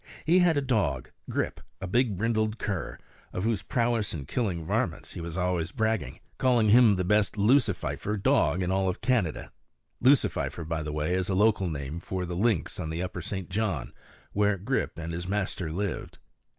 He had a dog, Grip, a big brindled cur, of whose prowess in killing "varmints" he was always bragging, calling him the best "lucififer" dog in all Canada. Lucififer, by the way, is a local name for the lynx on the upper St. John, where Grip and his master lived.